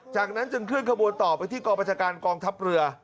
จากนั้นจึงเคลื่อขบวนต่อไปที่กองประชาการกองทัพเรือ